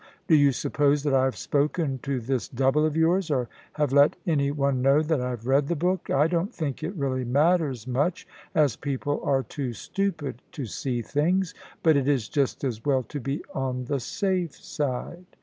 Do you suppose that I have spoken to this double of yours, or have let any one know that I have read the book? I don't think it really matters much, as people are too stupid to see things; but it is just as well to be on the safe side."